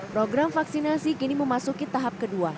program vaksinasi kini memasuki tahap kedua